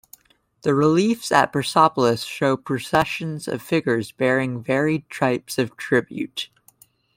The reliefs at Persepolis show processions of figures bearing varied types of tribute.